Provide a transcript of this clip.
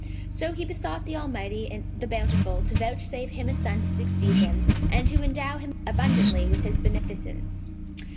So he besought the Almighty, the Bountiful, to vouchsafe him a son to succeed him, and to endow him abundantly with His beneficence.